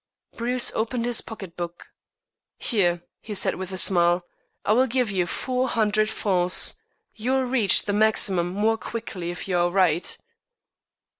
Bruce opened his pocket book. "Here," he said with a smile, "I will give you four hundred francs. You will reach the maximum more quickly if you are right."